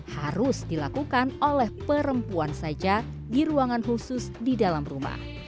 harus dilakukan oleh perempuan saja di ruangan khusus di dalam rumah